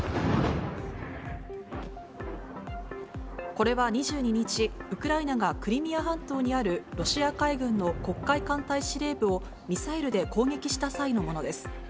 これは２２日、ウクライナがクリミア半島にある、ロシア海軍の黒海艦隊司令部をミサイルで攻撃した際のものです。